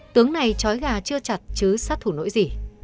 tướng này chói gà chưa chặt chứ sát thủ nỗi gì